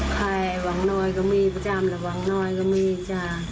ใครหวังน้อยก็มีประจำระวังน้อยก็มีจ้ะ